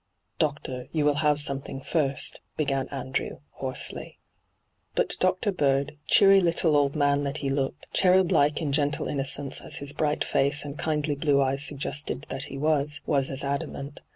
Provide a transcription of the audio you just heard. ' Doctor, you will have something first,' began Andrew, hoarsely. But Dr. Bird, cheery little old man that he looked, cherub like in gentle innocence as his bright face and kindly blue eyes suggested that he was, was as adamant.